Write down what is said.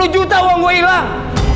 lima puluh juta uang gua ilang